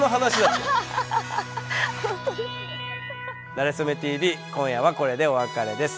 「なれそめＴＶ」今夜はこれでお別れです。